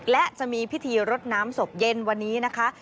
และจะมีพิธีรดน้ำศพเย็นวันนี้นะคะ